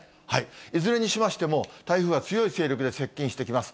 いずれにしましても、台風は強い勢力で接近してきます。